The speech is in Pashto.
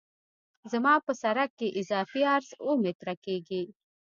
زما په سرک کې اضافي عرض اوه متره کیږي